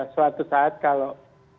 suatu saat kalau